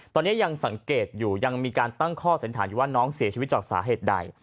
ตอนนี้ยังสังเกตอยู่ยังมีการตั้งข้อสันฐานอยู่ว่าน้องเสียชีวิตจากสาเหตุใด